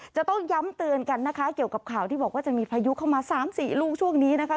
จะต้องย้ำเตือนกันนะคะเกี่ยวกับข่าวที่บอกว่าจะมีพายุเข้ามา๓๔ลูกช่วงนี้นะคะ